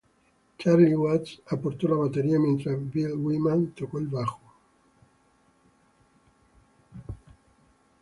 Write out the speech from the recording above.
Charlie Watts aporto la batería mientras Bill Wyman tocó el bajo.